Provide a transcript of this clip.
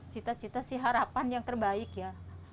cita cita sih harapan yang terbaik ya